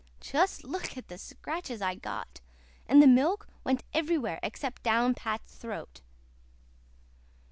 Just look at the scratches I got! And the milk went everywhere except down Pat's throat."